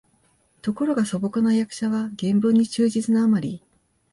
ところが素朴な訳者は原文に忠実なあまり、